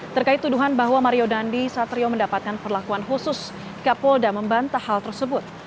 terkait tuduhan bahwa mario dandi satrio mendapatkan perlakuan khusus kapolda membantah hal tersebut